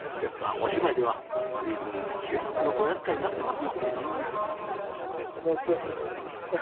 お芝居ではずいぶん警察のご厄介になってますもんね。